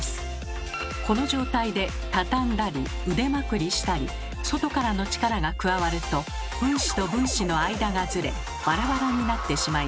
この状態でたたんだり腕まくりしたり外からの力が加わると分子と分子の間がズレバラバラになってしまいます。